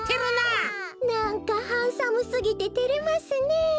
なんかハンサムすぎててれますねえ。